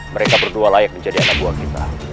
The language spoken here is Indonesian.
mereka berdua layak menjadi anak buah kita